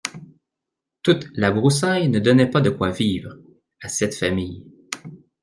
Toute la broussaille ne donnait pas de quoi vivre, à cette famille.